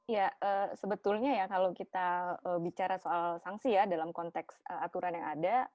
ya sebetulnya ya kalau kita bicara soal sanksi ya dalam konteks aturan yang ada